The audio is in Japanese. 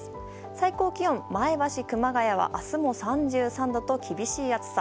最高気温、前橋、熊谷は明日も３３度と厳しい暑さ。